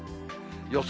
予想